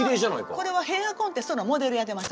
これはヘアコンテストのモデルやってました。